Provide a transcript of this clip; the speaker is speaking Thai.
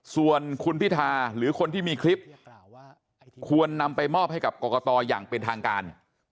ส่วนคุณพิธาหรือคนที่มีคลิปควรนำไปมอบให้กับกรกตอย่างเป็นทางการ